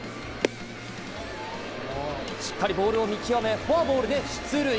しっかりボールを見極めフォアボールで出塁。